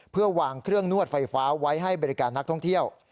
เพื่อวางเครื่องนวดไฟฟ้าไว้ให้บริการนักท่องเที่ยว